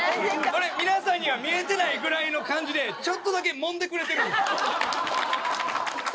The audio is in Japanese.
これ皆さんには見えてないぐらいの感じでちょっとだけ揉んでくれてる。